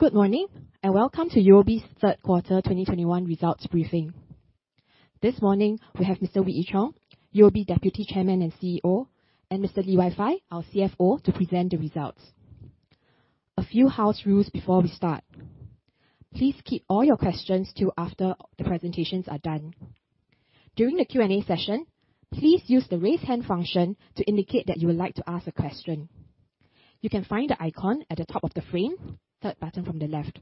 Good morning, and welcome to UOB's third quarter 2021 results briefing. This morning, we have Mr. Wee Ee Cheong, UOB Deputy Chairman and CEO, and Mr. Lee Wai Fai, our CFO, to present the results. A few house rules before we start. Please keep all your questions till after the presentations are done. During the Q&A session, please use the raise hand function to indicate that you would like to ask a question. You can find the icon at the top of the frame, third button from the left.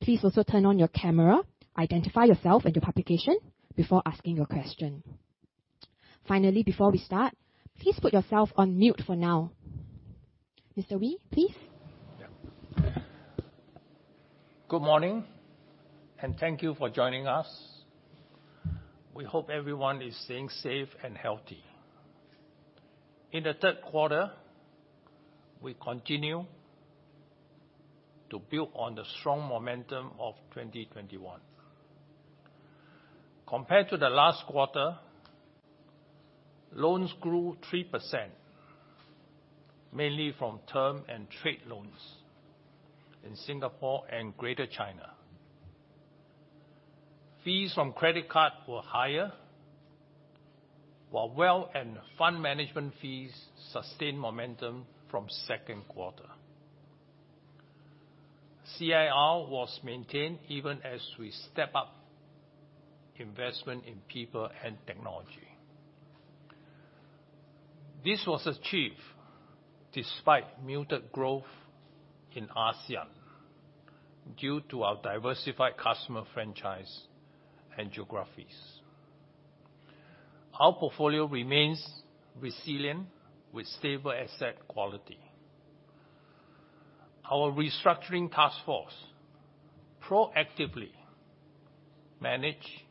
Please also turn on your camera, identify yourself and your publication before asking your question. Finally, before we start, please put yourself on mute for now. Mr. Wee, please. Yeah. Good morning, and thank you for joining us. We hope everyone is staying safe and healthy. In the third quarter, we continue to build on the strong momentum of 2021. Compared to the last quarter, loans grew 3%, mainly from term and trade loans in Singapore and Greater China. Fees from credit card were higher, while wealth and fund management fees sustained momentum from second quarter. CIR was maintained even as we step up investment in people and technology. This was achieved despite muted growth in ASEAN, due to our diversified customer franchise and geographies. Our portfolio remains resilient with stable asset quality. Our restructuring task force proactively manage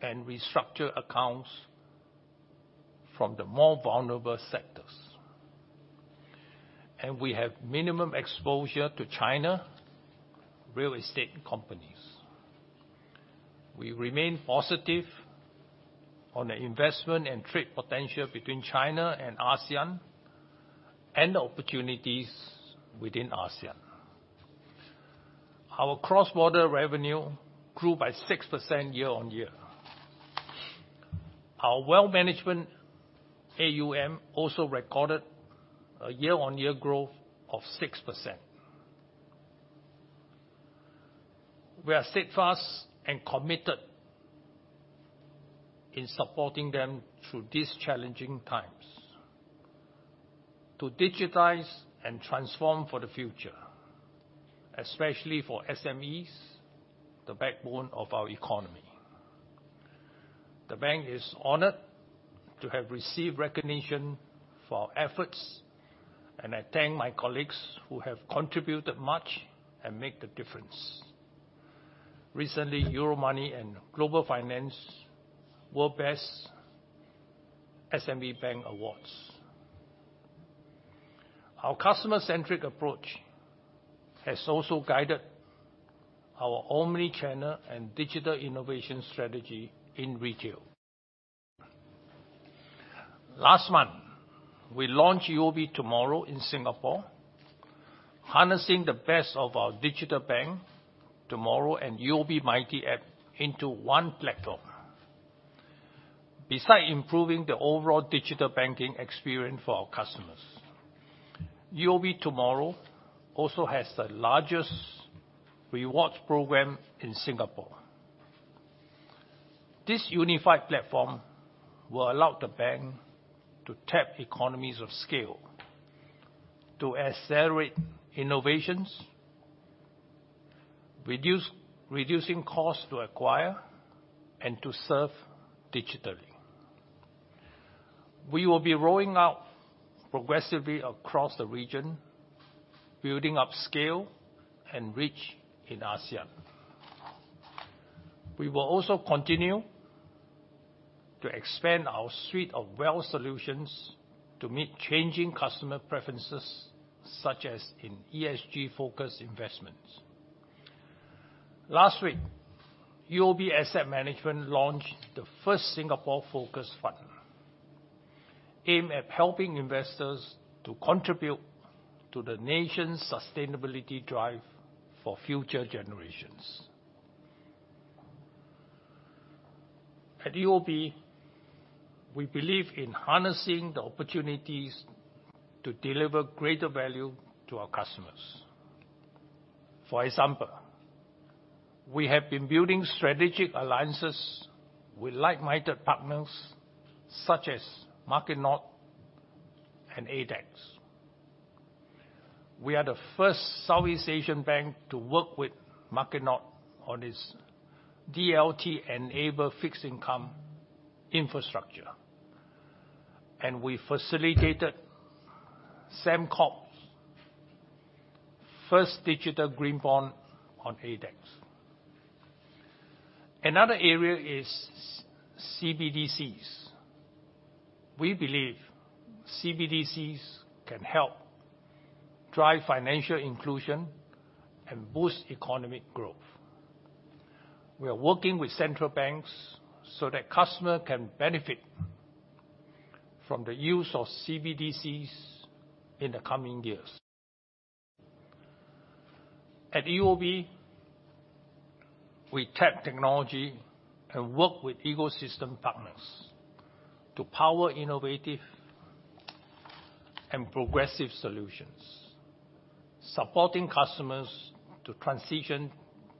and restructure accounts from the more vulnerable sectors. We have minimum exposure to China real estate companies. We remain positive on the investment and trade potential between China and ASEAN, and the opportunities within ASEAN. Our cross-border revenue grew by 6% year-on-year. Our wealth management AUM also recorded a year-on-year growth of 6%. We are steadfast and committed in supporting them through these challenging times to digitize and transform for the future, especially for SMEs, the backbone of our economy. The bank is honored to have received recognition for our efforts, and I thank my colleagues who have contributed much and make the difference. Recently, Euromoney and Global Finance, World's Best SME Bank awards. Our customer-centric approach has also guided our omni-channel and digital innovation strategy in retail. Last month, we launched UOB TMRW in Singapore, harnessing the best of our digital bank, TMRW and UOB Mighty app into one platform. Beside improving the overall digital banking experience for our customers, UOB TMRW also has the largest rewards program in Singapore. This unified platform will allow the bank to tap economies of scale to accelerate innovations, reducing cost to acquire and to serve digitally. We will be rolling out progressively across the region, building up scale and reach in ASEAN. We will also continue to expand our suite of wealth solutions to meet changing customer preferences, such as in ESG-focused investments. Last week, UOB Asset Management launched the first Singapore-focused fund, aimed at helping investors to contribute to the nation's sustainability drive for future generations. At UOB, we believe in harnessing the opportunities to deliver greater value to our customers. For example, we have been building strategic alliances with like-minded partners such as Marketnode and ADDX. We are the first Southeast Asian bank to work with Marketnode on its DLT-enabled fixed income infrastructure, and we facilitated Sembcorp's first digital green bond on ADDX. Another area is CBDCs. We believe CBDCs can help drive financial inclusion and boost economic growth. We are working with central banks so that customers can benefit from the use of CBDCs in the coming years. At UOB, we tap technology and work with ecosystem partners to power innovative and progressive solutions, supporting customers to transition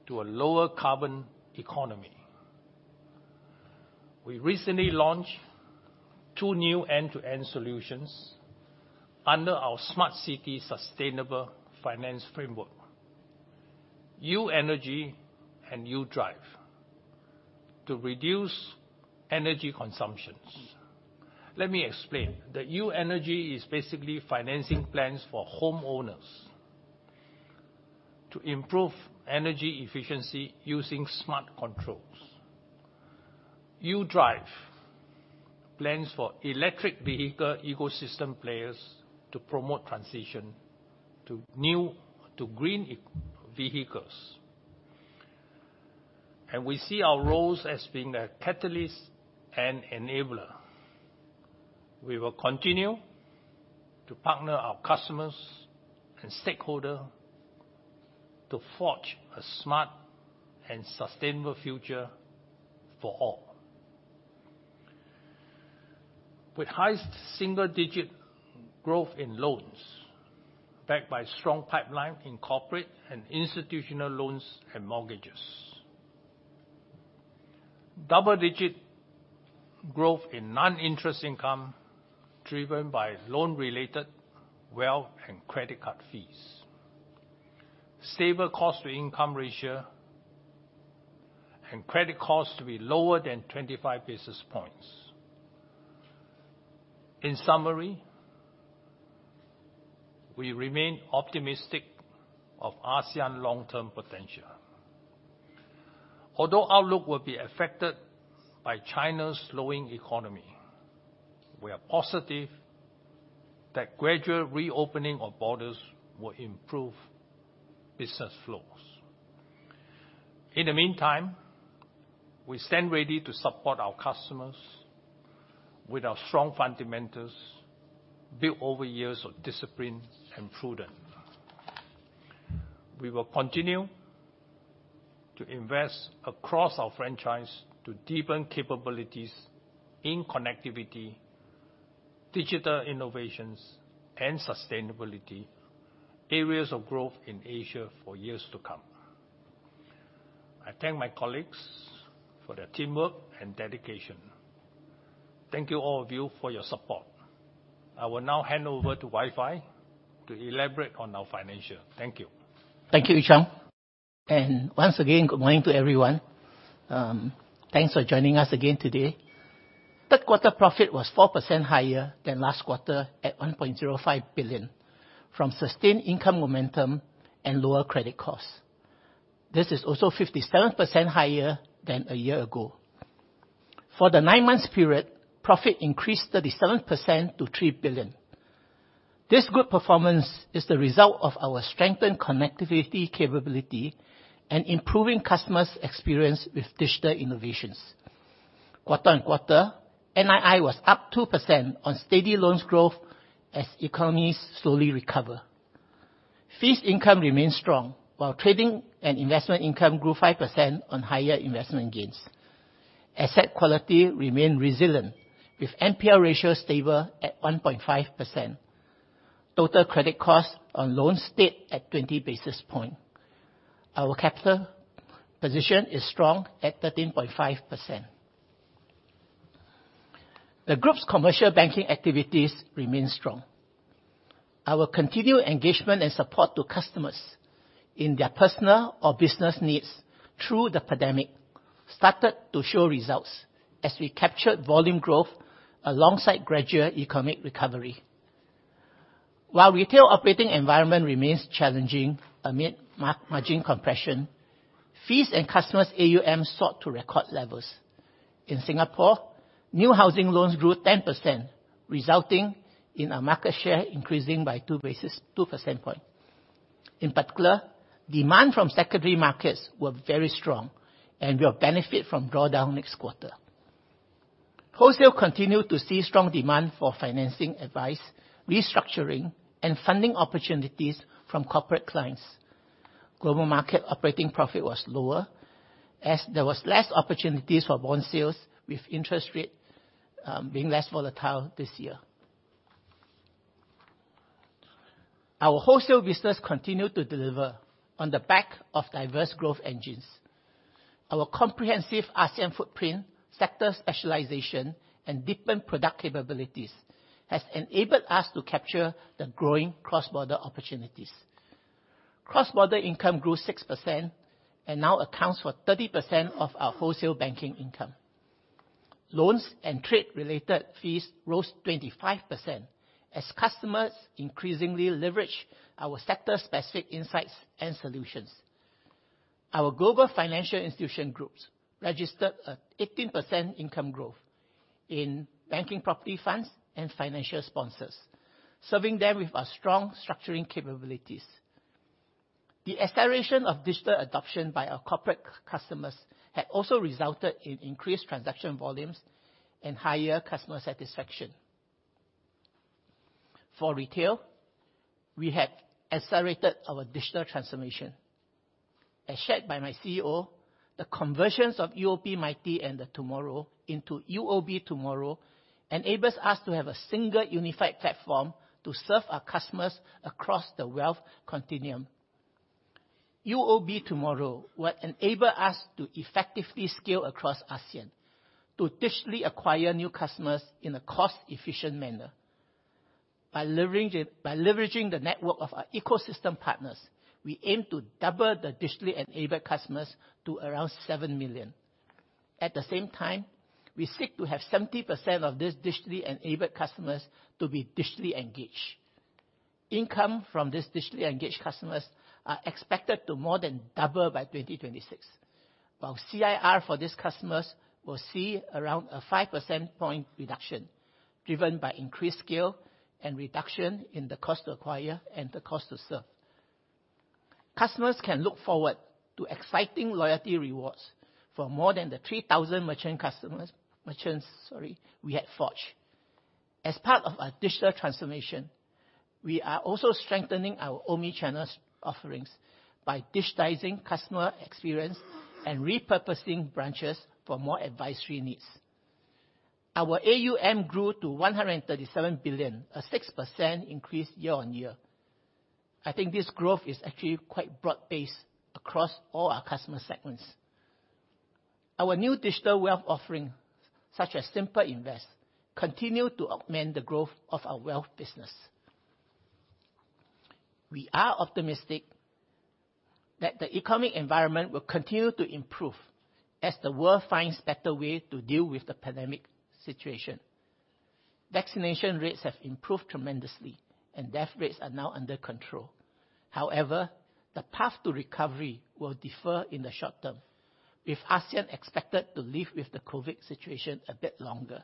to a lower carbon economy. We recently launched two new end-to-end solutions under our UOB Smart City Sustainable Finance Framework, U-Energy and U-Drive, to reduce energy consumption. Let me explain. U-Energy is basically financing plans for homeowners to improve energy efficiency using smart controls. U-Drive plans for electric vehicle ecosystem players to promote transition to green vehicles. We see our roles as being a catalyst and enabler. We will continue to partner our customers and stakeholders to forge a smart and sustainable future for all. With highest single-digit growth in loans, backed by strong pipeline in corporate and institutional loans and mortgages. Double-digit growth in non-interest income, driven by loan-related wealth and credit card fees. Stable cost-to-income ratio and credit costs to be lower than 25 basis points. In summary, we remain optimistic of ASEAN long-term potential. Although outlook will be affected by China's slowing economy, we are positive that gradual reopening of borders will improve business flows. In the meantime, we stand ready to support our customers with our strong fundamentals, built over years of discipline and prudence. We will continue to invest across our franchise to deepen capabilities in connectivity, digital innovations, and sustainability, areas of growth in Asia for years to come. I thank my colleagues for their teamwork and dedication. Thank you all of you for your support. I will now hand over to Wai Fai to elaborate on our financials. Thank you. Thank you, Ee Cheong. Once again, good morning to everyone. Thanks for joining us again today. Third quarter profit was 4% higher than last quarter, at 1.05 billion from sustained income momentum and lower credit costs. This is also 57% higher than a year ago. For the nine-month period, profit increased 37% to 3 billion. This good performance is the result of our strengthened connectivity capability and improving customers' experience with digital innovations. Quarter-on-quarter, NII was up 2% on steady loan growth as economies slowly recover. Fee income remained strong while trading and investment income grew 5% on higher investment gains. Asset quality remained resilient with NPL ratio stable at 1.5%. Total credit costs on loans stayed at 20 basis points. Our capital position is strong at 13.5%. The group's commercial banking activities remain strong. Our continued engagement and support to customers in their personal or business needs through the pandemic started to show results as we captured volume growth alongside gradual economic recovery. While retail operating environment remains challenging amid margin compression, fees and customers' AUM soared to record levels. In Singapore, new housing loans grew 10%, resulting in our market share increasing by 2%. In particular, demand from secondary markets were very strong and will benefit from drawdown next quarter. Wholesale continued to see strong demand for financing advice, restructuring, and funding opportunities from corporate clients. Global market operating profit was lower as there was fewer opportunities for bond sales with interest rate being less volatile this year. Our wholesale business continued to deliver on the back of diverse growth engines. Our comprehensive ASEAN footprint, sector specialization, and different product capabilities have enabled us to capture the growing cross-border opportunities. Cross-border income grew 6% and now accounts for 30% of our wholesale banking income. Loans and trade-related fees rose 25% as customers increasingly leverage our sector-specific insights and solutions. Our Global Financial Institutions Group registered an 18% income growth in banking property funds and financial sponsors, serving them with our strong structuring capabilities. The acceleration of digital adoption by our corporate customers had also resulted in increased transaction volumes and higher customer satisfaction. For retail, we have accelerated our digital transformation. As shared by my CEO, the conversions of UOB Mighty and TMRW into UOB TMRW enable us to have a single unified platform to serve our customers across the wealth continuum. UOB TMRW will enable us to effectively scale across ASEAN to digitally acquire new customers in a cost-efficient manner. By leveraging the network of our ecosystem partners, we aim to double the digitally enabled customers to around 7 million. At the same time, we seek to have 70% of these digitally enabled customers to be digitally engaged. Income from these digitally engaged customers are expected to more than double by 2026, while CIR for these customers will see around a 5% point reduction, driven by increased scale and reduction in the cost to acquire and the cost to serve. Customers can look forward to exciting loyalty rewards for more than the 3,000 merchant customers we had forged. As part of our digital transformation, we are also strengthening our omni-channel offerings by digitizing customer experience and repurposing branches for more advisory needs. Our AUM grew to 137 billion, a 6% increase year-on-year. I think this growth is actually quite broad based across all our customer segments. Our new digital wealth offering, such as SimpleInvest, continues to augment the growth of our wealth business. We are optimistic that the economic environment will continue to improve as the world finds better ways to deal with the pandemic situation. Vaccination rates have improved tremendously, and death rates are now under control. However, the path to recovery will differ in the short term, with ASEAN expected to live with the COVID situation a bit longer.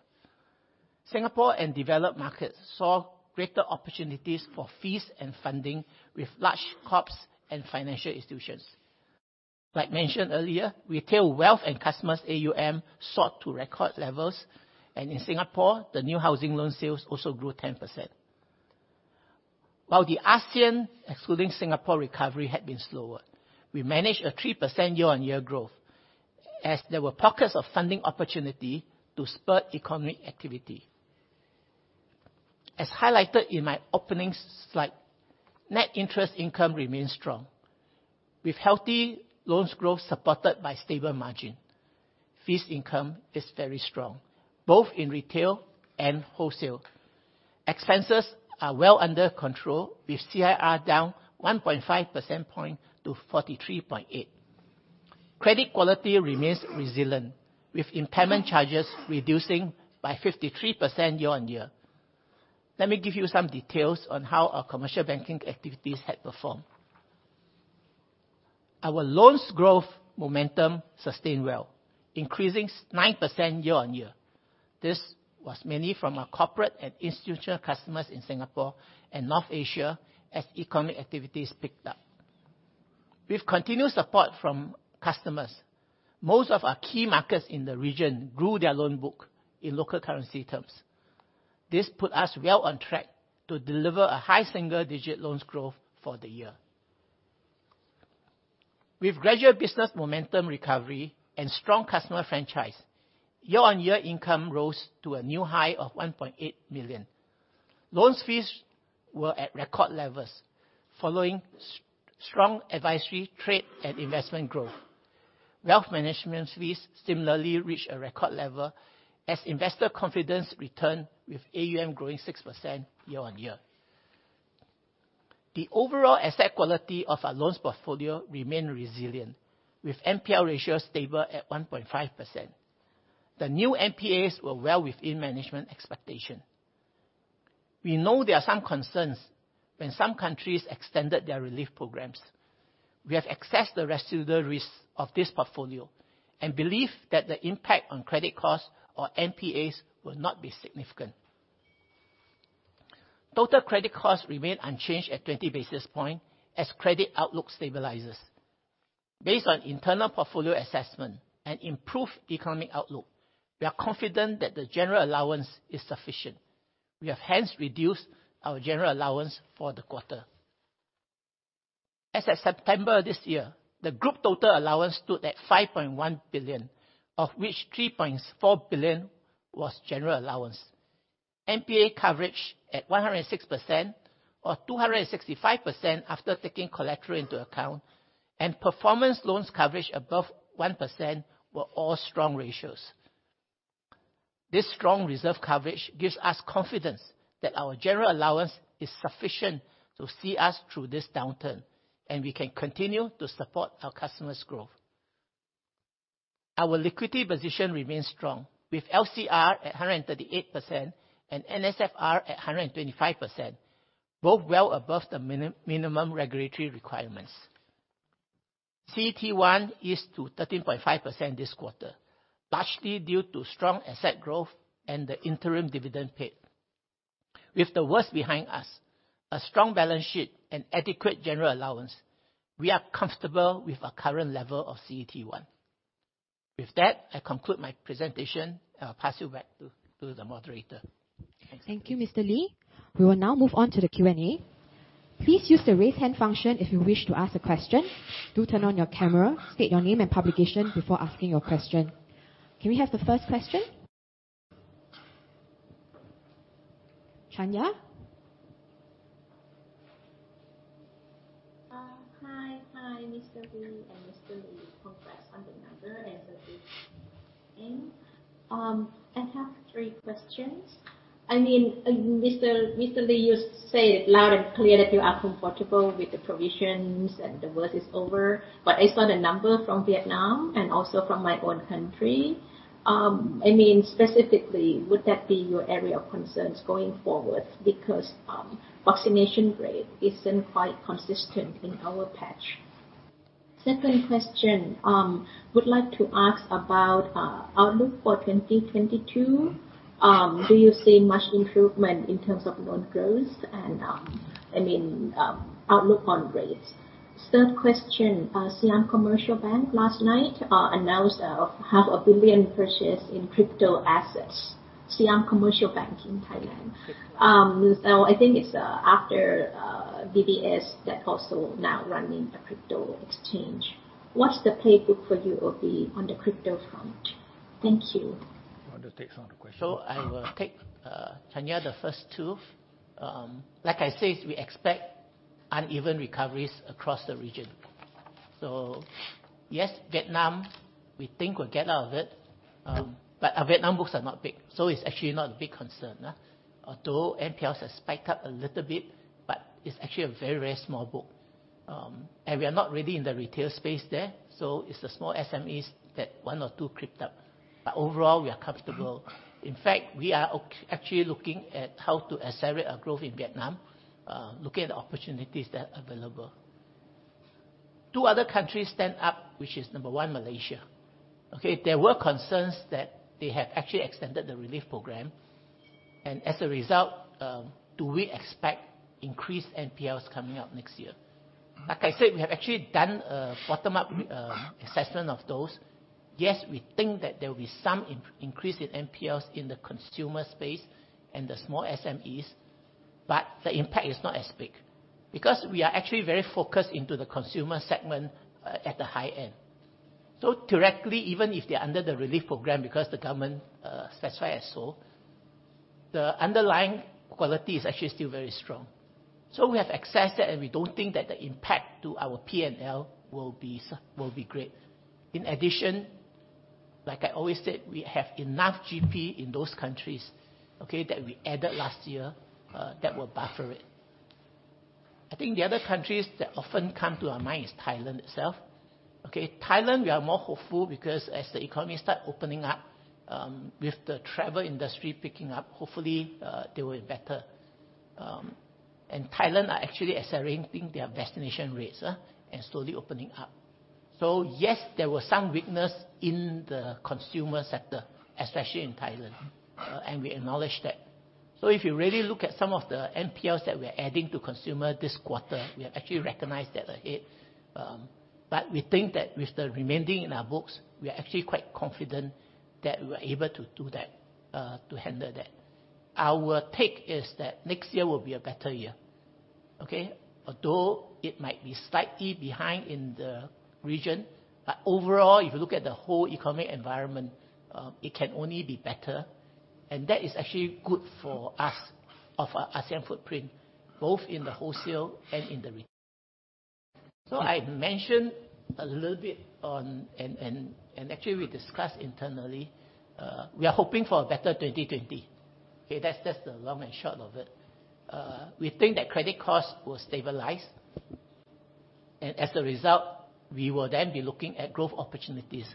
Singapore and developed markets saw greater opportunities for fees and funding with large corporates and financial institutions. As mentioned earlier, retail wealth and customers AUM soared to record levels, and in Singapore, the new housing loan sales also grew 10%. While the ASEAN, excluding Singapore recovery, had been slower, we managed a 3% year-on-year growth as there were pockets of funding opportunity to spur economic activity. As highlighted in my opening slide, net interest income remains strong, with healthy loans growth supported by stable margin. Fees income is very strong, both in retail and wholesale. Expenses are well under control, with CIR down 1.5 percentage point to 43.8%. Credit quality remains resilient, with impairment charges reducing by 53% year-on-year. Let me give you some details on how our commercial banking activities had performed. Our loans growth momentum sustained well, increasing 9% year-on-year. This was mainly from our corporate and institutional customers in Singapore and North Asia as economic activities picked up. With continued support from customers, most of our key markets in the region grew their loan book in local currency terms. This put us well on track to deliver a high single-digit loans growth for the year. With gradual business momentum recovery and strong customer franchise, year-on-year income rose to a new high of 1.8 million. Loans fees were at record levels, following strong advisory trade and investment growth. Wealth management fees similarly reached a record level as investor confidence returned with AUM growing 6% year-on-year. The overall asset quality of our loans portfolio remain resilient, with NPL ratio stable at 1.5%. The new NPAs were well within management expectation. We know there are some concerns when some countries extended their relief programs. We have accessed the residual risks of this portfolio and believe that the impact on credit costs or NPAs will not be significant. Total credit costs remain unchanged at 20 basis points as credit outlook stabilizes. Based on internal portfolio assessment and improved economic outlook, we are confident that the general allowance is sufficient. We have hence reduced our general allowance for the quarter. As of September this year, the group total allowance stood at 5.1 billion, of which 3.4 billion was general allowance. NPA coverage at 106%, or 265% after taking collateral into account, and performance loans coverage above 1% were all strong ratios. This strong reserve coverage gives us confidence that our general allowance is sufficient to see us through this downturn, and we can continue to support our customers' growth. Our liquidity position remains strong with LCR at 138% and NSFR at 125%, both well above the minimum regulatory requirements. CET1 is 13.5% this quarter, largely due to strong asset growth and the interim dividend paid. With the worst behind us, a strong balance sheet and adequate general allowance, we are comfortable with our current level of CET1. With that, I conclude my presentation and I'll pass you back to the moderator. Thanks. Thank you, Mr. Lee. We will now move on to the Q&A. Please use the raise hand function if you wish to ask a question. Do turn on your camera, state your name and publication before asking your question. Can we have the first question? Chanya? Hi, Mr. Lee and Mr. Lee. Congrats on the numbers and the good thing. I have three questions. Mr. Lee, you say it loud and clear that you are comfortable with the provisions and the worst is over, but it's not a number from Vietnam and also from my own country. Specifically, would that be your area of concerns going forward? Because vaccination rate isn't quite consistent in our patch. Second question. Would like to ask about outlook for 2022. Do you see much improvement in terms of loan growth and outlook on rates? Third question. Siam Commercial Bank last night announced half a billion purchase in crypto assets. Siam Commercial Bank in Thailand. I think it's after DBS that also now running a crypto exchange. What's the playbook for UOB on the crypto front? Thank you. You want to take some of the questions? I will take, Chanya, the first two. Like I said, we expect uneven recoveries across the region. Yes, Vietnam, we think will get out of it. Our Vietnam books are not big, so it's actually not a big concern. Although NPLs have spiked up a little bit, it's actually a very small book. We are not really in the retail space there, so it's the small SMEs that one or two crept up. Overall, we are comfortable. In fact, we are actually looking at how to accelerate our growth in Vietnam, looking at the opportunities that are available. Two other countries stand up, which is number one, Malaysia. Okay. There were concerns that they have actually extended the relief program. As a result, do we expect increased NPLs coming up next year? Like I said, we have actually done a bottom-up assessment of those. Yes, we think that there will be some increase in NPLs in the consumer space and the small SMEs, but the impact is not as big because we are actually very focused into the consumer segment at the high end. Directly, even if they're under the relief program because the government satisfy as so, the underlying quality is actually still very strong. We have accessed that, and we don't think that the impact to our P&L will be great. In addition, like I always said, we have enough GP in those countries, okay, that we added last year, that will buffer it. I think the other countries that often come to our mind is Thailand itself. Okay. Thailand, we are more hopeful because as the economy start opening up, with the travel industry picking up, hopefully, they will get better. Thailand are actually accelerating their vaccination rates and slowly opening up. Yes, there were some weakness in the consumer sector, especially in Thailand, and we acknowledge that. If you really look at some of the NPLs that we're adding to consumer this quarter, we have actually recognized that ahead. We think that with the remaining in our books, we are actually quite confident that we are able to do that, to handle that. Our take is that next year will be a better year. Okay. Although it might be slightly behind in the region, but overall, if you look at the whole economic environment, it can only be better, and that is actually good for us of our ASEAN footprint, both in the wholesale and in the retail. I mentioned a little bit on, actually we discussed internally, we are hoping for a better 2020. Okay. That's the long and short of it. We think that credit costs will stabilize. As a result, we will then be looking at growth opportunities.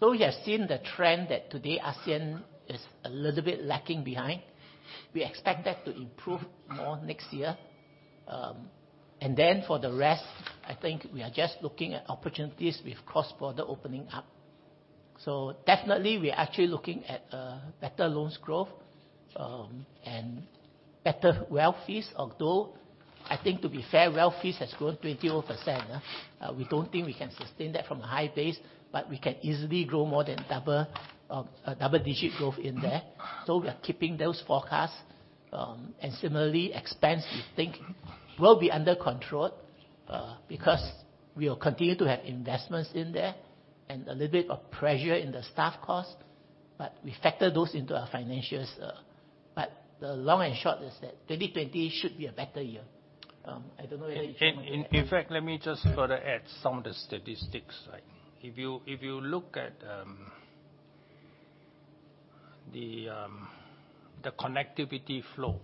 We have seen the trend that today ASEAN is a little bit lacking behind. We expect that to improve more next year. Then for the rest, I think we are just looking at opportunities with cross-border opening up. Definitely, we are actually looking at better loans growth, and better wealth fees. Although, I think to be fair, wealth fees has grown 20% odd. We don't think we can sustain that from a high base, but we can easily grow more than double digit growth in there. We are keeping those forecasts. Similarly, expense, we think will be under control because we'll continue to have investments in there and a little bit of pressure in the staff costs, but we factor those into our financials. The long and short is that 2020 should be a better year. I don't know whether you want to add. In fact, let me just further add some of the statistics. If you look at the connectivity flow.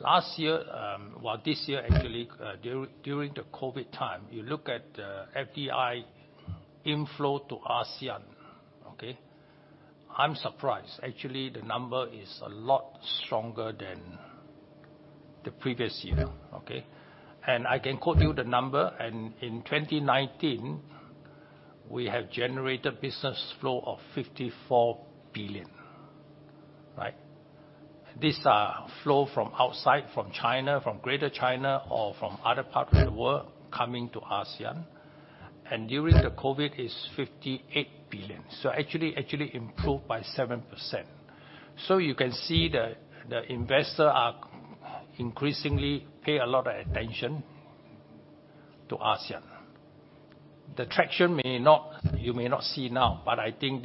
This year, actually, during the COVID time, you look at the FDI inflow to ASEAN, okay? I am surprised. Actually, the number is a lot stronger than the previous year. Yeah. Okay? I can quote you the number. In 2019, we have generated business flow of 54 billion. These are flow from outside, from China, from Greater China or from other parts of the world coming to ASEAN. During the COVID is 58 billion. Actually improved by 7%. You can see the investor are increasingly pay a lot of attention to ASEAN. The traction, you may not see now, but I think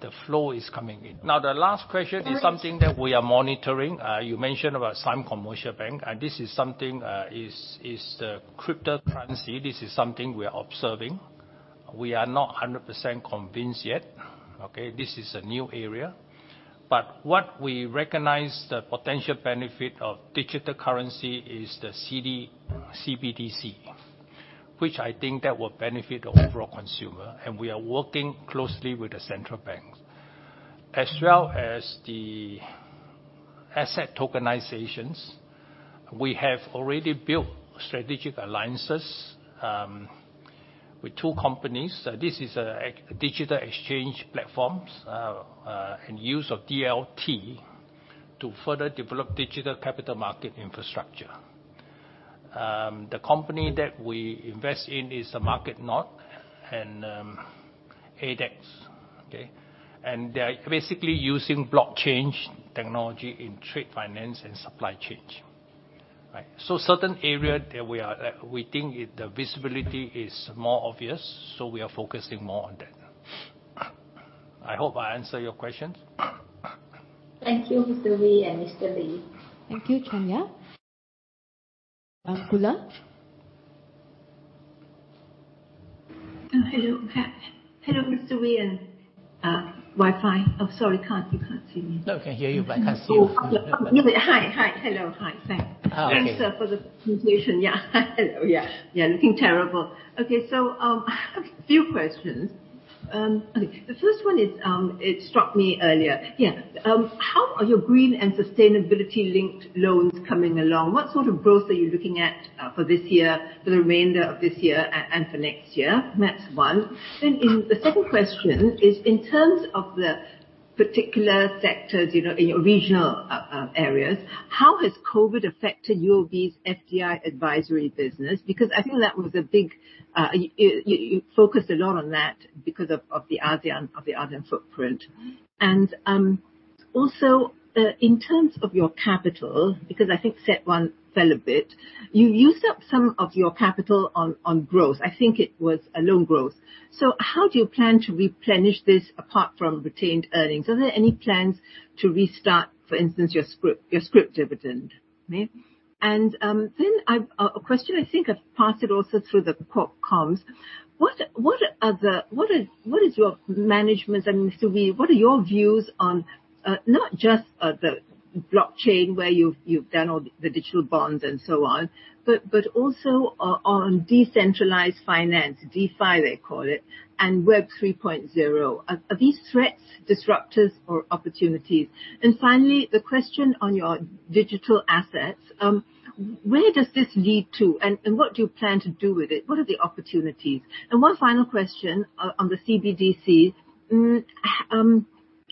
the flow is coming in. The last question is something that we are monitoring. You mentioned about Siam Commercial Bank, and this is something, is the cryptocurrency. This is something we are observing. We are not 100% convinced yet. Okay? This is a new area. What we recognize the potential benefit of digital currency is the CBDC, which I think that will benefit the overall consumer, and we are working closely with the central banks. As well as the asset tokenizations. We have already built strategic alliances with two companies. This is a digital exchange platforms, and use of DLT to further develop digital capital market infrastructure. The company that we invest in is the Marketnode and ADDX. Okay? They're basically using blockchain technology in trade finance and supply chains. Certain area that we think the visibility is more obvious, we are focusing more on that. I hope I answer your questions. Thank you, Mr. Wee and Mr. Lee. Thank you, Tanya. Gulat? Hello. Hello, Mr. Wee and Wi-Fi. Oh, sorry. You can't see me. No, can hear you but I can't see you. Oh. Hi. Hello. Hi, thanks. Oh, okay. Thanks for the presentation. Yeah. Hello. Yeah. Looking terrible. Okay. I have a few questions. Okay. The first one is, it struck me earlier. Yeah. How are your green and sustainability linked loans coming along? What sort of growth are you looking at for this year, for the remainder of this year and for next year? That's one. The second question is, in terms of the particular sectors in your regional areas, how has COVID affected UOB's FDI advisory business? Because I think you focused a lot on that because of the ASEAN footprint. In terms of your capital, because I think CET1 fell a bit, you used up some of your capital on growth. I think it was a loan growth. How do you plan to replenish this apart from retained earnings? Are there any plans to restart, for instance, your scrip dividend? May. A question I think I've passed it also through the comms. Mr. Wee, what are your views on not just the blockchain where you've done all the digital bonds and so on, but also on decentralized finance, DeFi they call it, and Web 3.0? Are these threats, disruptors or opportunities? The question on your digital assets. Where does this lead to and what do you plan to do with it? What are the opportunities? One final question, on the CBDCs.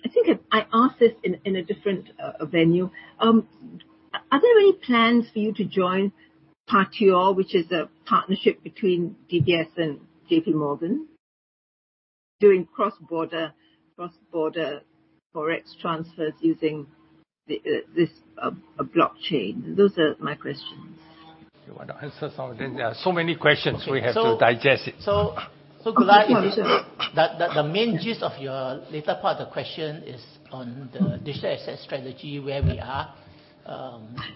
I think I asked this in a different venue. Are there any plans for you to join Partior, which is a partnership between DBS and JP Morgan, doing cross-border Forex transfers using this blockchain? Those are my questions. You want to answer some of them? There are so many questions we have to digest it. Gulat. Thank you, Minister. The main gist of your latter part of the question is on the digital asset strategy, where we are.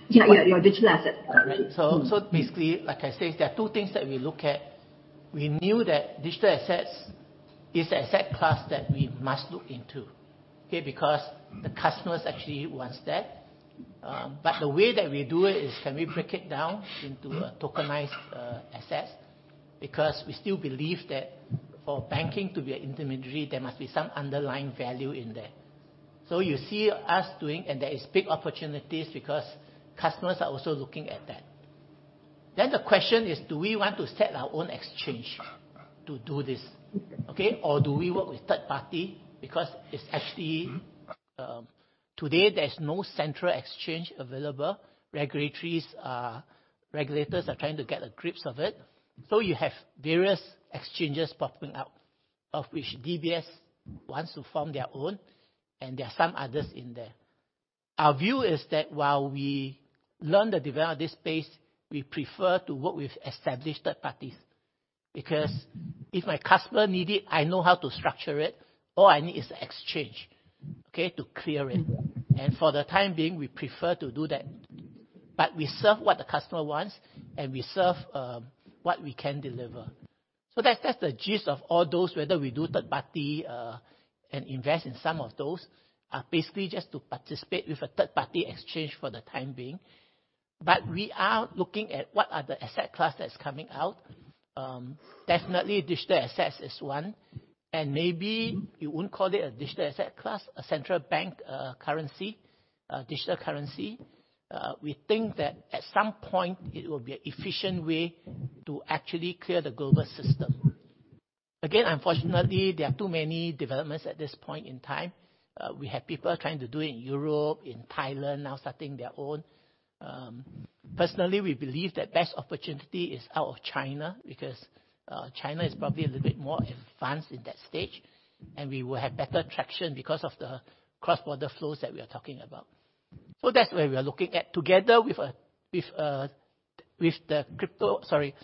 Yeah. Your digital asset part. Basically, like I said, there are two things that we look at. We knew that digital assets is the asset class that we must look into. Okay. Because the customers actually want that. The way that we do it is can we break it down into a tokenized asset? Because we still believe that for banking to be an intermediary, there must be some underlying value in there. You see us doing, and there are big opportunities because customers are also looking at that. The question is, do we want to set our own exchange to do this? Okay. Do we work with third party? Because it's actually, today there's no central exchange available. Regulators are trying to get a grip of it. You have various exchanges popping up, of which DBS wants to form their own, and there are some others in there. Our view is that while we learn the development of this space, we prefer to work with established third parties because if my customer needs it, I know how to structure it. All I need is the exchange, okay, to clear it. For the time being, we prefer to do that. We serve what the customer wants, and we serve what we can deliver. That's the gist of all those, whether we do third party, and invest in some of those, are basically just to participate with a third party exchange for the time being. We are looking at what other asset class that's coming out. Definitely, digital assets is one, and maybe you wouldn't call it a digital asset class, a central bank currency, digital currency. We think that at some point, it will be an efficient way to actually clear the global system. Again, unfortunately, there are too many developments at this point in time. We have people trying to do it in Europe, in Thailand now starting their own. Personally, we believe the best opportunity is out of China because China is probably a little bit more advanced in that stage, and we will have better traction because of the cross-border flows that we are talking about. That's where we are looking at together with the crypto, sorry,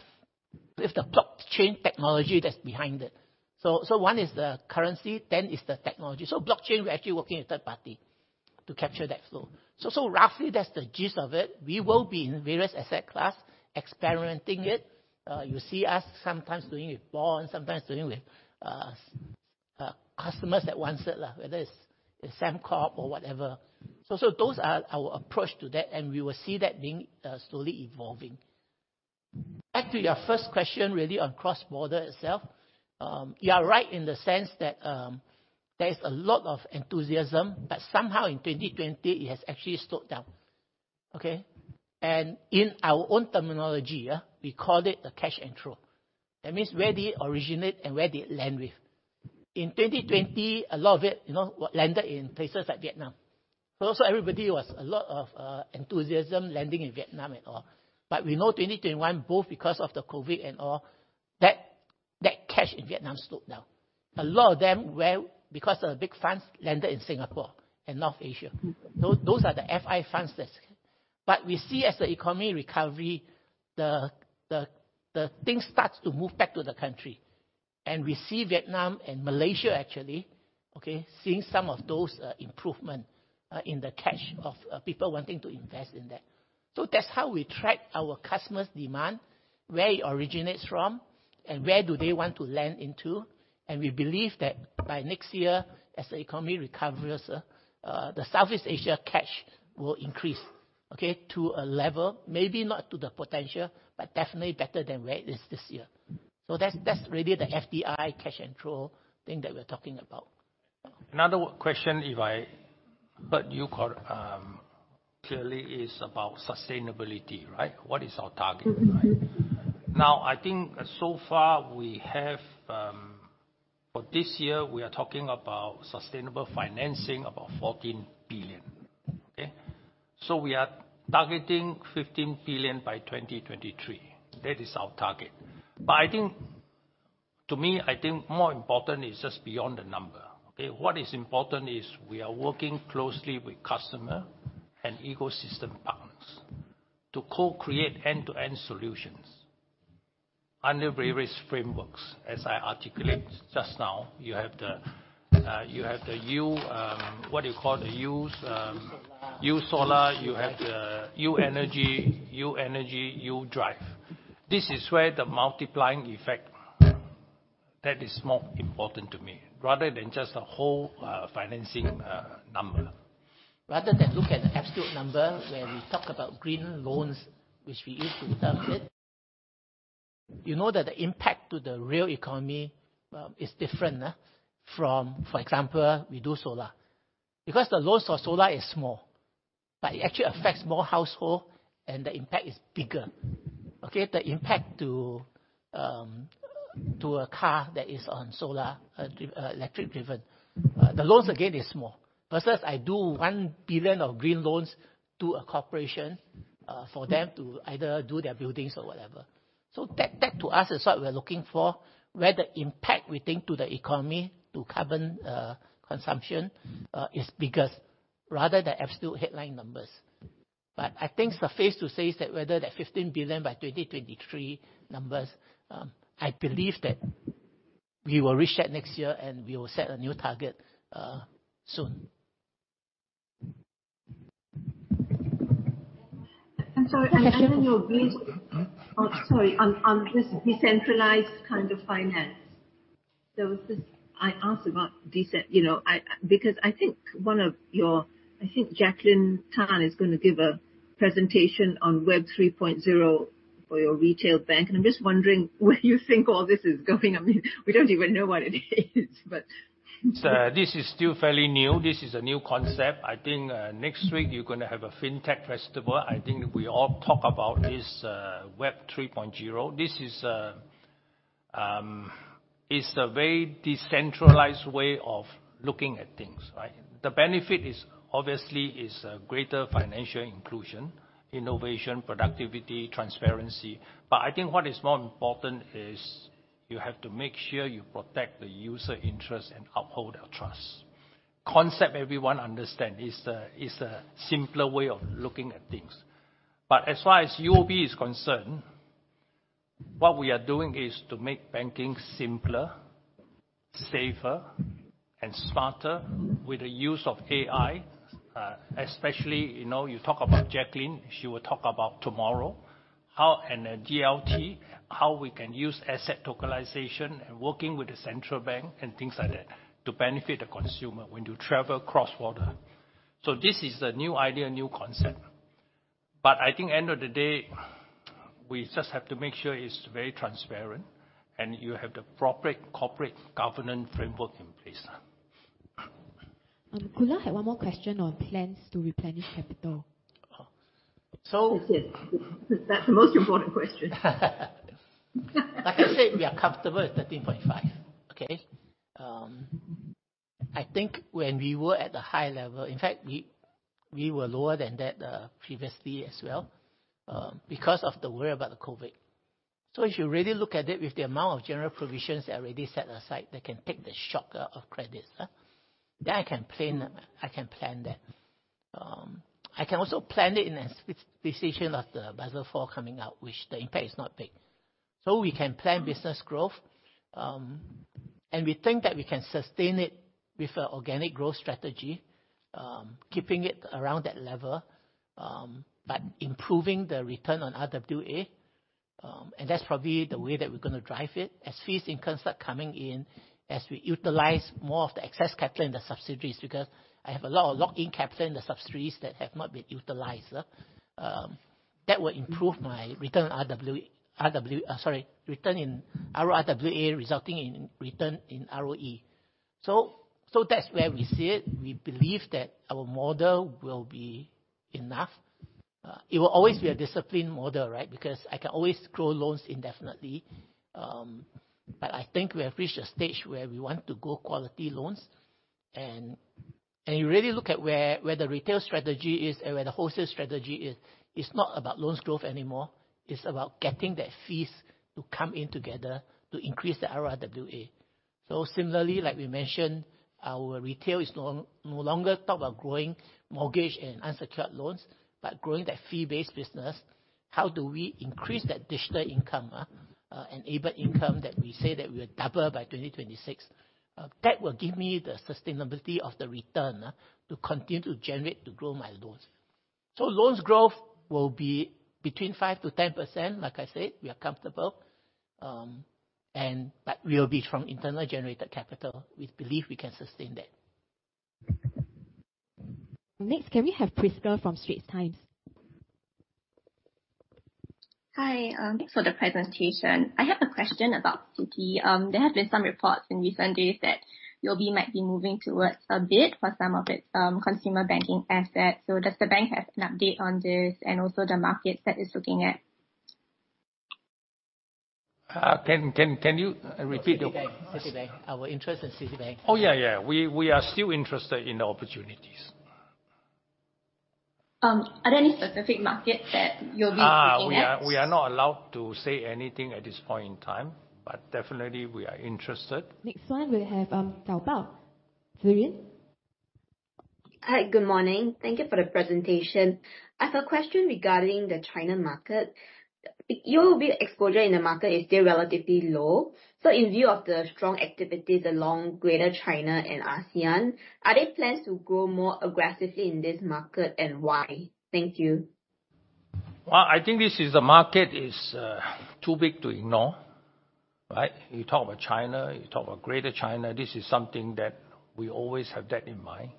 with the blockchain technology that's behind it. One is the currency, then it's the technology. Blockchain, we're actually working with third party to capture that flow. Roughly, that's the gist of it. We will be in various asset classes experimenting it. You see us sometimes doing with bonds, sometimes doing with customers that want it, whether it's Sembcorp Industries or whatever. Those are our approach to that, and we will see that being slowly evolving. Back to your first question, really on cross-border itself. You are right in the sense that there is a lot of enthusiasm, somehow in 2020 it has actually slowed down. Okay. In our own terminology, we call it a catch and throw. That means where did it originate and where did it land with? In 2020, a lot of it landed in places like Vietnam. Also everybody was a lot of enthusiasm landing in Vietnam and all. We know 2021, both because of the COVID and all, that catch in Vietnam slowed down. A lot of them, because they're big funds, landed in Singapore and North Asia. Those are the FI funds. We see as the economic recovery, the thing starts to move back to the country. We see Vietnam and Malaysia, actually, seeing some of those improvement in the cash of people wanting to invest in that. That's how we track our customer's demand, where it originates from, and where do they want to lend into. We believe that by next year, as the economy recovers, the Southeast Asia cash will increase to a level, maybe not to the potential, but definitely better than where it is this year. That's really the FDI catch and throw thing that we're talking about. Another question if I heard you correctly, clearly is about sustainability, right? What is our target? I think so far for this year, we are talking about sustainable financing about 14 billion. We are targeting 15 billion by 2023. That is our target. To me, I think more important is just beyond the number. What is important is we are working closely with customer and ecosystem partners to co-create end-to-end solutions under various frameworks as I articulate just now. You have the U, what do you call, the U- U-Solar. U-Solar. You have the U-Energy, U-Drive. This is where the multiplying effect that is more important to me, rather than just the whole financing number. Rather than look at the absolute number where we talk about green loans, which we used to term it. You know that the impact to the real economy is different now from, for example, we do solar. Because the loans for solar is small, but it actually affects more household and the impact is bigger. Okay. The impact to a car that is on solar, electric driven, the loans again is small. Versus I do 1 billion of green loans to a corporation, for them to either do their buildings or whatever. That to us is what we're looking for. Where the impact we think to the economy, to carbon consumption is bigger rather than absolute headline numbers. I think suffice to say is that whether that 15 billion by 2023 numbers, I believe that we will reach that next year and we will set a new target soon. I'm sorry, I'm sharing your view. Sorry, on this decentralized kind of finance. I asked about because I think one of your I think Jacquelyn Tan is going to give a presentation on Web 3.0 for your retail bank, and I'm just wondering where you think all this is going. I mean, we don't even know what it is. This is still fairly new. This is a new concept. I think next week you're going to have a Singapore FinTech Festival. I think we all talk about this Web 3.0. This is a very decentralized way of looking at things, right? The benefit is obviously greater financial inclusion, innovation, productivity, transparency. I think what is more important is you have to make sure you protect the user interest and uphold our trust. Concept everyone understands is a simpler way of looking at things. As far as UOB is concerned, what we are doing is to make banking simpler, safer, and smarter with the use of AI. Especially, you talk about Jacquelyn, she will talk about TMRW, how in a DLT we can use asset tokenization and working with the central bank and things like that to benefit the consumer when you travel cross border. This is a new idea, a new concept. I think end of the day, we just have to make sure it's very transparent and you have the proper corporate governance framework in place. Gulat had one more question on plans to replenish capital. Oh. That's it. That's the most important question. Like I said, we are comfortable at 13.5. Okay? I think when we were at the high level. In fact, we were lower than that previously as well, because of the worry about the COVID. If you really look at it, with the amount of general provisions that are already set aside, they can take the shock of credits. I can plan that. I can also plan it in a decision of the Basel IV coming out, which the impact is not big. We can plan business growth, and we think that we can sustain it with an organic growth strategy, keeping it around that level, but improving the return on RWA. That's probably the way that we're going to drive it, as fees and concerns are coming in, as we utilize more of the excess capital in the subsidiaries, because I have a lot of locked-in capital in the subsidiaries that have not been utilized. That will improve my return in RWA, resulting in return in ROE. That's where we see it. We believe that our model will be enough. It will always be a disciplined model, right? Because I can always grow loans indefinitely. I think we have reached a stage where we want to go quality loans. You really look at where the retail strategy is and where the wholesale strategy is. It's not about loans growth anymore, it's about getting that fees to come in together to increase the RWA. Similarly, like we mentioned, our retail is no longer talk about growing mortgage and unsecured loans, but growing that fee-based business. How do we increase that digital income, enabled income that we say that we will double by 2026? That will give me the sustainability of the return to continue to generate to grow my loans. Loans growth will be between 5%-10%. Like I said, we are comfortable. Will be from internal generated capital. We believe we can sustain that. Can we have Prisca from The Straits Times? Hi. Thanks for the presentation. I have a question about Citi. There have been some reports in recent days that UOB might be moving towards a bid for some of its consumer banking assets. Does the bank have an update on this and also the markets that it's looking at? Can you repeat? Citibank. Our interest in Citibank. Oh, yeah. We are still interested in the opportunities. Are there any specific markets that UOB is looking at? We are not allowed to say anything at this point in time, but definitely we are interested. Next one we have Caoba. Zuriin. Hi, good morning. Thank you for the presentation. I have a question regarding the China market. UOB exposure in the market is still relatively low. In view of the strong activities along Greater China and ASEAN, are there plans to grow more aggressively in this market and why? Thank you. I think this is a market is too big to ignore. Right? You talk about China, you talk about Greater China. This is something that we always have that in mind.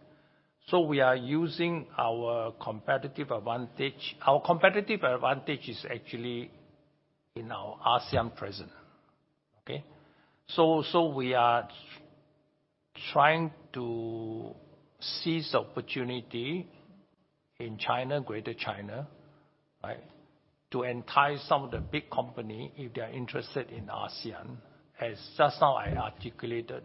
We are using our competitive advantage. Our competitive advantage is actually in our ASEAN presence. Okay? We are trying to seize the opportunity in China, Greater China, to entice some of the big company if they are interested in ASEAN. As just now I articulated,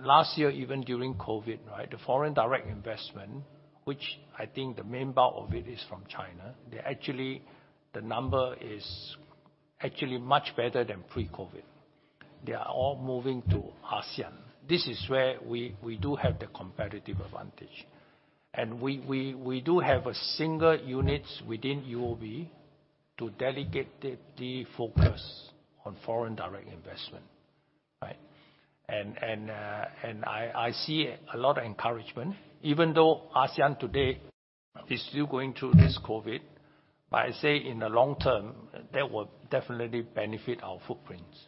last year, even during COVID, the foreign direct investment, which I think the main part of it is from China, the number is actually much better than pre-COVID. They are all moving to ASEAN. This is where we do have the competitive advantage. We do have a single unit within UOB to delegate the focus on foreign direct investment. Right? I see a lot of encouragement, even though ASEAN today is still going through this COVID. I say in the long term, that will definitely benefit our footprints.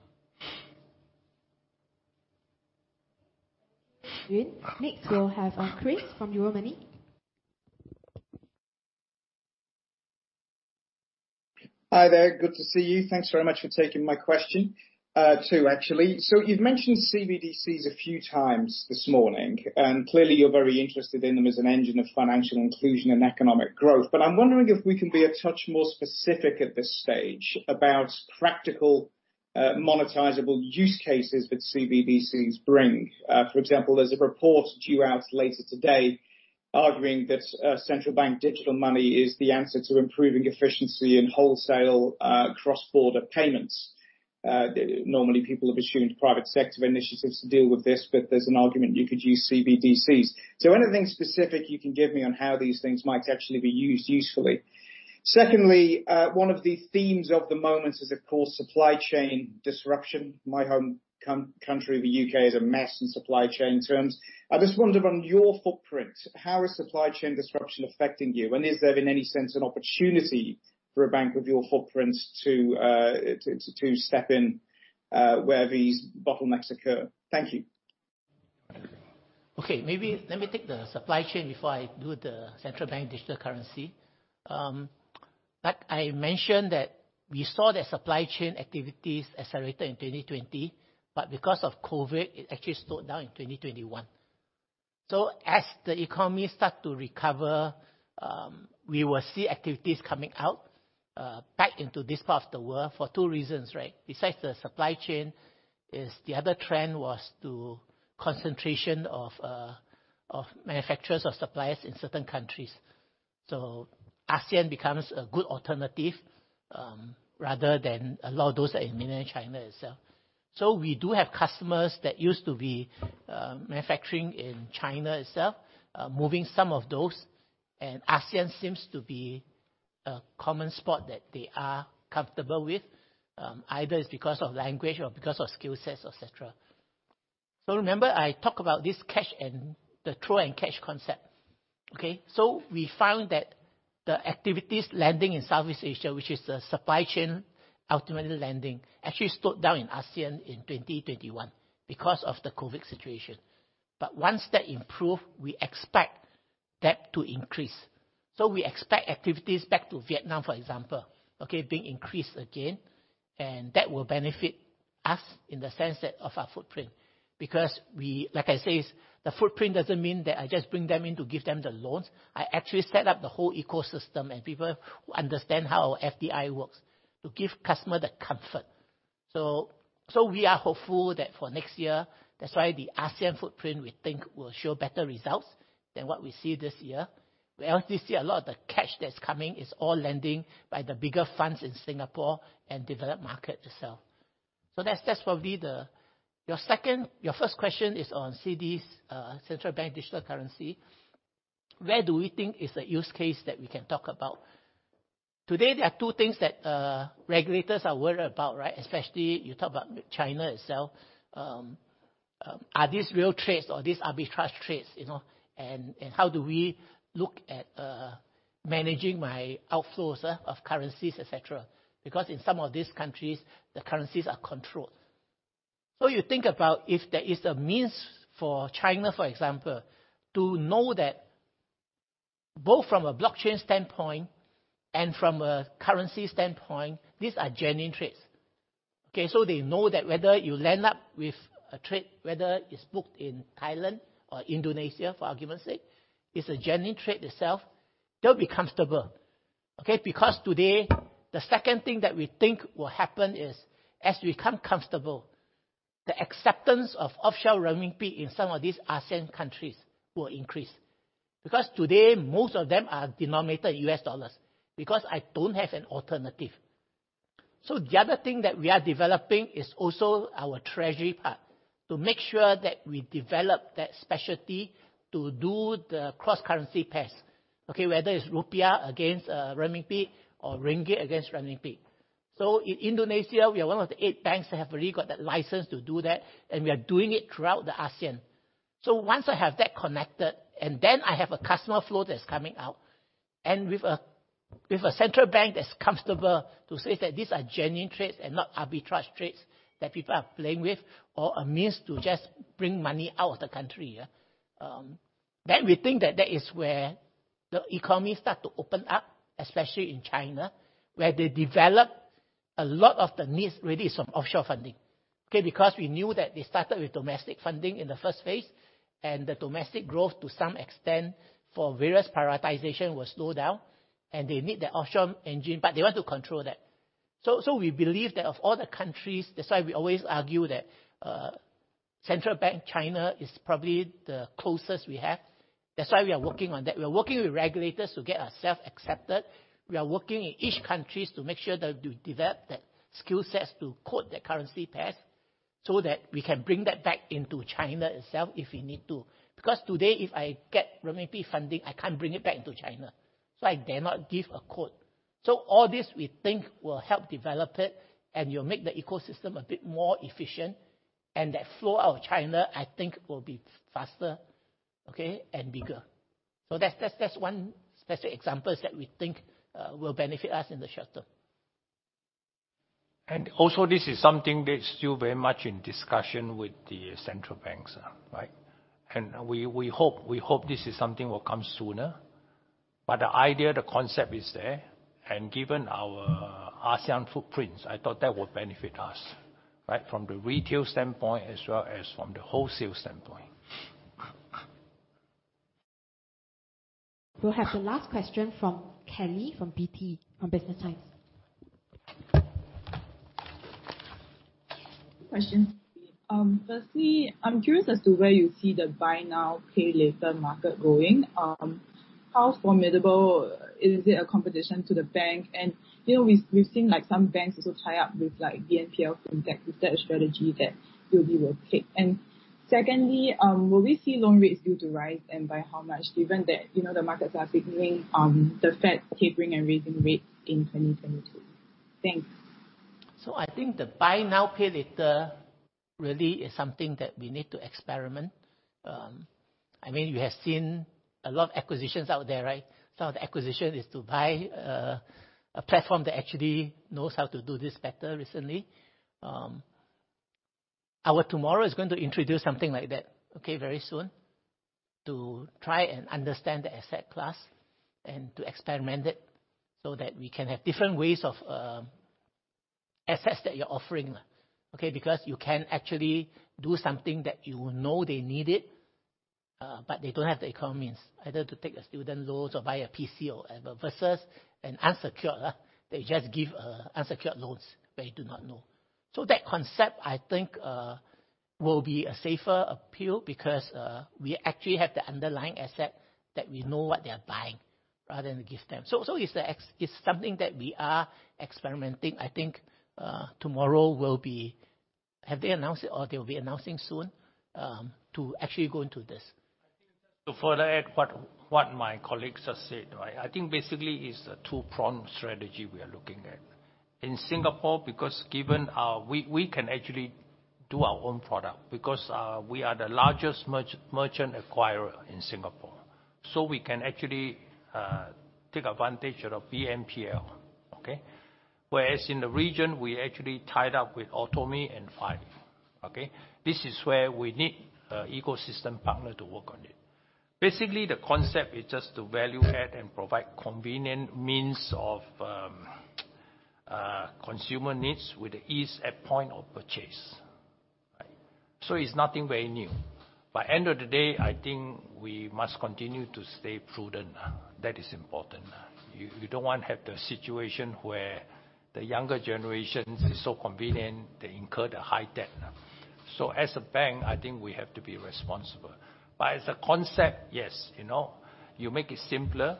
Zuriin. Next, we'll have Chris from Euromoney. Hi there. Good to see you. Thanks very much for taking my question. Two, actually. You've mentioned CBDCs a few times this morning, and clearly you're very interested in them as an engine of financial inclusion and economic growth. I'm wondering if we can be a touch more specific at this stage about practical monetizable use cases that CBDCs bring. For example, there's a report due out later today arguing that central bank digital money is the answer to improving efficiency in wholesale cross-border payments. Normally, people have assumed private sector initiatives to deal with this, but there's an argument you could use CBDCs. Anything specific you can give me on how these things might actually be used usefully? Secondly, one of the themes of the moment is, of course, supply chain disruption. My home country, the U.K., is a mess in supply chain terms. I just wonder from your footprint, how is supply chain disruption affecting you? Is there in any sense an opportunity for a bank of your footprints to step in where these bottlenecks occur? Thank you. Okay. Maybe let me take the supply chain before I do the central bank digital currency. I mentioned that we saw that supply chain activities accelerated in 2020, but because of COVID, it actually slowed down in 2021. As the economy starts to recover, we will see activities coming out, back into this part of the world for two reasons, right? Besides the supply chain, is the other trend was to concentration of manufacturers or suppliers in certain countries. ASEAN becomes a good alternative, rather than a lot of those that are in mainland China itself. We do have customers that used to be manufacturing in China itself, moving some of those, and ASEAN seems to be a common spot that they are comfortable with, either is because of language or because of skill sets, et cetera. Remember I talk about this catch and the throw and catch concept. Okay? We found that the activities landing in Southeast Asia, which is the supply chain ultimately landing, actually slowed down in ASEAN in 2021 because of the COVID situation. Once that improve, we expect that to increase. We expect activities back to Vietnam, for example, okay, being increased again, and that will benefit us in the sense that of our footprint. Because we, like I say, the footprint doesn't mean that I just bring them in to give them the loans. I actually set up the whole ecosystem and people who understand how FDI works to give customer the comfort. We are hopeful that for next year, that's why the ASEAN footprint, we think, will show better results than what we see this year, where obviously a lot of the catch that's coming is all lending by the bigger funds in Singapore and developed market itself. That's probably your first question is on CBDC, central bank digital currency. Where do we think is the use case that we can talk about? Today, there are two things that regulators are worried about, right? Especially you talk about China itself. Are these real trades or these arbitrage trades? How do we look at managing my outflows of currencies, et cetera. Because in some of these countries, the currencies are controlled. You think about if there is a means for China, for example, to know that both from a blockchain standpoint and from a currency standpoint, these are genuine trades. Okay, they know that whether you land up with a trade, whether it's booked in Thailand or Indonesia, for argument's sake, it's a genuine trade itself, they'll be comfortable. Okay? Today, the second thing that we think will happen is as we become comfortable, the acceptance of offshore renminbi in some of these ASEAN countries will increase. Today, most of them are denominated in US dollars because I don't have an alternative. The other thing that we are developing is also our treasury part, to make sure that we develop that specialty to do the cross-currency pairs, okay? Whether it's rupiah against renminbi or ringgit against renminbi. In Indonesia, we are one of the 8 banks that have already got that license to do that, and we are doing it throughout the ASEAN. Once I have that connected, and then I have a customer flow that's coming out, and with a central bank that's comfortable to say that these are genuine trades and not arbitrage trades that people are playing with, or a means to just bring money out of the country. We think that that is where the economy start to open up, especially in China, where they developed a lot of the needs really is from offshore funding. Okay? We knew that they started with domestic funding in the first phase, and the domestic growth, to some extent, for various prioritization will slow down, and they need that offshore engine, but they want to control that. We believe that of all the countries, that's why we always argue that Central Bank China is probably the closest we have. That's why we are working on that. We are working with regulators to get ourself accepted. We are working in each countries to make sure that they develop that skill sets to quote their currency pairs so that we can bring that back into China itself if we need to. Today, if I get renminbi funding, I can't bring it back into China, so I dare not give a quote. All this, we think, will help develop it, and will make the ecosystem a bit more efficient. That flow out of China, I think, will be faster, okay, and bigger. That's one specific examples that we think will benefit us in the short term. This is something that is still very much in discussion with the central banks, right? We hope this is something will come sooner. The idea, the concept is there. Given our ASEAN footprints, I thought that would benefit us, right? From the retail standpoint as well as from the wholesale standpoint. We'll have the last question from Kelly from BT, from Business Times. Two questions. Firstly, I'm curious as to where you see the buy now, pay later market going. How formidable is it a competition to the bank? We've seen some banks also tie up with BNPL from banks. Is that a strategy that UOB will take? Secondly, will we see loan rates due to rise and by how much, given that the markets are signaling the Fed tapering and raising rates in 2022? Thanks. I think the buy now, pay later really is something that we need to experiment. I mean, we have seen a lot of acquisitions out there, right? Some of the acquisition is to buy a platform that actually knows how to do this better recently. Our TMRW is going to introduce something like that, okay, very soon, to try and understand the asset class and to experiment it, so that we can have different ways of assets that you're offering. Okay? Because you can actually do something that you know they needed, but they don't have the account means, either to take a student loans or buy a PC or whatever, versus an unsecured. They just give unsecured loans, but they do not know. That concept, I think, will be a safer appeal because we actually have the underlying asset that we know what they are buying, rather than give them. It's something that we are experimenting. I think TMRW will be, have they announced it or they'll be announcing soon, to actually go into this. To further add what my colleague just said, right? Basically is a two-pronged strategy we are looking at. In Singapore, because we can actually do our own product because we are the largest merchant acquirer in Singapore. We can actually take advantage of BNPL. Okay? Whereas in the region, we actually tied up with Atome and FIIN. Okay? This is where we need ecosystem partner to work on it. Basically, the concept is just to value add and provide convenient means of consumer needs with the ease at point of purchase. Right? It's nothing very new. By end of the day, I think we must continue to stay prudent. That is important. You don't want to have the situation where the younger generation is so convenient, they incur the high debt. As a bank, I think we have to be responsible. As a concept, yes. You make it simpler,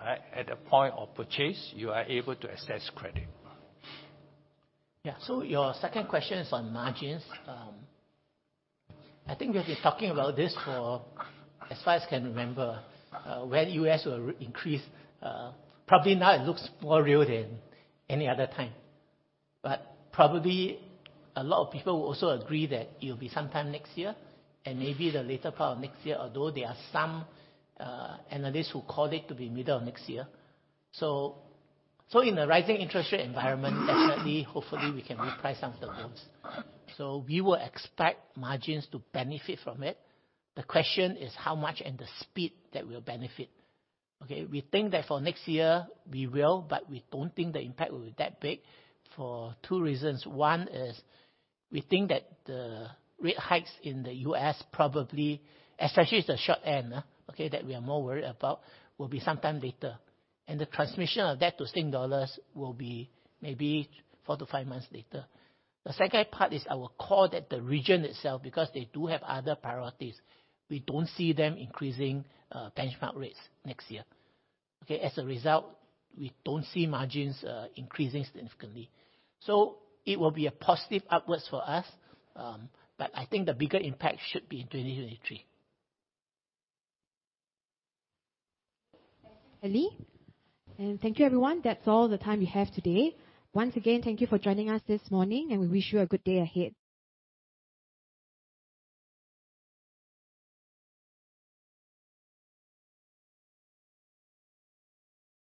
right? At the point of purchase, you are able to access credit. Yeah. Your second question is on margins. I think we have been talking about this for as far as I can remember, when U.S. will increase. Probably now it looks more real than any other time. Probably a lot of people will also agree that it'll be sometime next year and maybe the later part of next year, although there are some analysts who call it to be middle of next year. In a rising interest rate environment, definitely, hopefully, we can reprice some of the loans. We will expect margins to benefit from it. The question is how much and the speed that will benefit. Okay? We think that for next year we will, but we don't think the impact will be that big for two reasons. One is we think that the rate hikes in the U.S. probably, especially as the short end, okay, that we are more worried about, will be sometime later. The transmission of that to SGD will be maybe four to five months later. The second part is our call that the region itself, because they do have other priorities. We don't see them increasing benchmark rates next year. Okay. As a result, we don't see margins increasing significantly. It will be a positive upwards for us, but I think the bigger impact should be in 2023. Thanks, Ali. Thank you everyone. That's all the time we have today. Once again, thank you for joining us this morning, and we wish you a good day ahead.